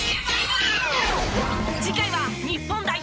次回は日本代表